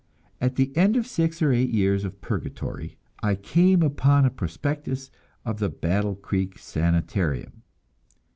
At the end of six or eight years of purgatory, I came upon a prospectus of the Battle Creek Sanitarium.